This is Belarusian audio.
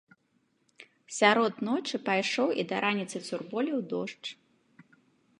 Сярод ночы пайшоў і да раніцы цурболіў дождж.